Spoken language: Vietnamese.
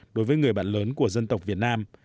đối với người bạn lớn của dân tộc việt nam